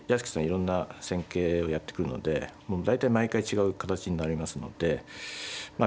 いろんな戦型をやってくるので大体毎回違う形になりますのでまあ